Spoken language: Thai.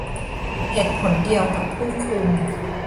เหตุผลเดียวกับผู้คุม